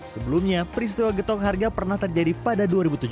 sebelumnya peristiwa getok harga pernah terjadi pada dua ribu tujuh belas